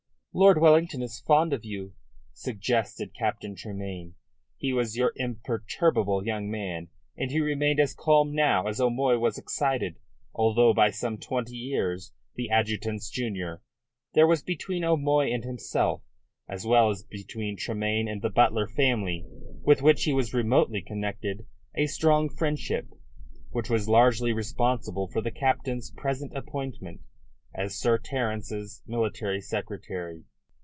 "Lord Wellington is fond of you," suggested Captain Tremayne. He was your imperturbable young man, and he remained as calm now as O'Moy was excited. Although by some twenty years the adjutant's junior, there was between O'Moy and himself, as well as between Tremayne and the Butler family, with which he was remotely connected, a strong friendship, which was largely responsible for the captain's present appointment as Sir Terence's military secretary.